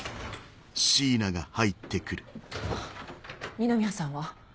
二宮さんは？